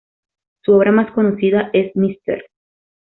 Su obra más conocida es "Mr.